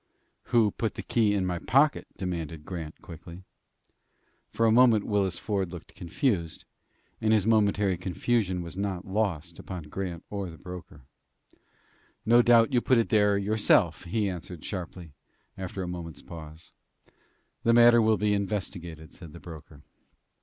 "Who put the key in my pocket?" demanded Grant, quickly. For a moment Willis Ford looked confused, and his momentary confusion was not lost upon Grant or the banker. "No doubt you put it there yourself," he answered, sharply, after a monent's pause. "That matter will be investigated," said the broker.